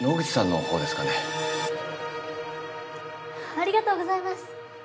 ありがとうございます！